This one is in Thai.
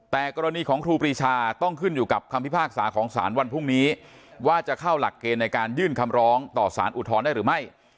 แต่กรณีของครูปรีชาต้องขึ้นอยู่กับคำพิพากษาของสารวันพรุ่งนี้ว่าจะเข้าหลักเกณฑ์ในการยื่นคำร้องต่อสารอุทธรณ์ได้หรือไม่